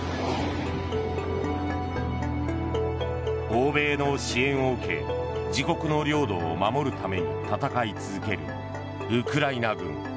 欧米の支援を受け自国の領土を守るために戦い続けるウクライナ軍。